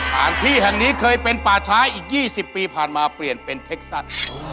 สถานที่แห่งนี้เคยเป็นป่าช้าอีก๒๐ปีผ่านมาเปลี่ยนเป็นเท็กซัส